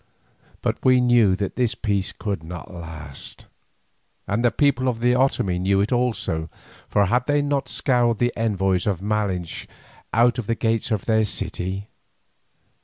But we knew that this peace could not last, and the people of the Otomie knew it also, for had they not scourged the envoys of Malinche out of the gates of their city?